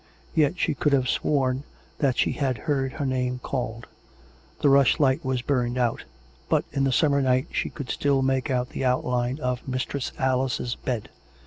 Yet she could have sworn that she had heard her name called. The rushlight was burned out; but in the summer night she could still make out the outline of Mistress Alice's bed.